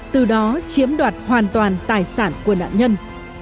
từ đó chiếm đoạt hoàn toàn tài sản của nạn nhân